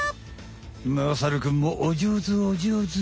まさるくんもおじょうずおじょうず。